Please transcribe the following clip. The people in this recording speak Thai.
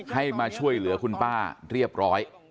ให้มาช่วยเหลือคุณป้าเรียบร้อย